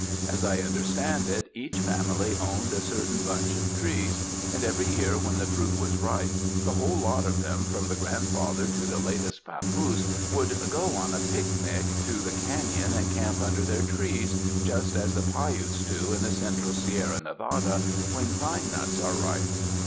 As I understand it, each family owned a cer tain bunch of trees, and every year when the fruit was ripe, the whole lot of them from the grand father to the latest papoose would go on a picnic to the canon and camp under their trees just as the Piutes do in the central Sierra Nevada when pine nuts are ripe.